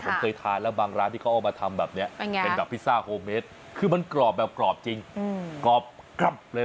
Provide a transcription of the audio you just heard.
ผมเคยทานแล้วบางร้านที่เขาเอามาทำแบบนี้เป็นแบบพิซซ่าโฮเมสคือมันกรอบแบบกรอบจริงกรอบเลย